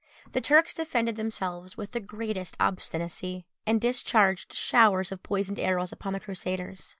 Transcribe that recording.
The Turks defended themselves with the greatest obstinacy, and discharged showers of poisoned arrows upon the Crusaders.